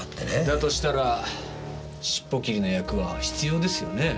だとしたら尻尾切りの役は必要ですよね？